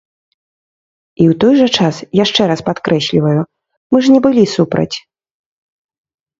І ў той жа час, яшчэ раз падкрэсліваю, мы ж не былі супраць.